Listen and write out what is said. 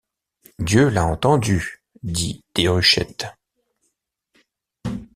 Dieu l’a entendue, dit Déruchette.